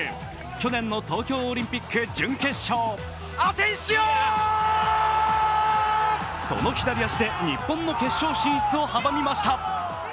去年の東京オリンピック準決勝その左足で日本の決勝進出を阻みました。